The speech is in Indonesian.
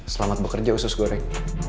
selamat bekerja usus goreng